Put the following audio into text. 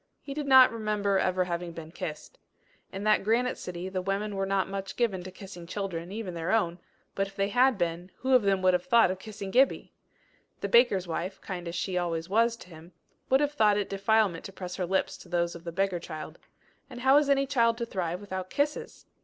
He did not remember ever having been kissed. In that granite city, the women were not much given to kissing children, even their own, but if they had been, who of them would have thought of kissing Gibbie! The baker's wife, kind as she always was to him, would have thought it defilement to press her lips to those of the beggar child. And how is any child to thrive without kisses!